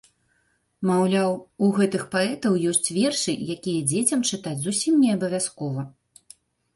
Маўляў, у гэтых паэтаў ёсць вершы, якія дзецям чытаць зусім не абавязкова.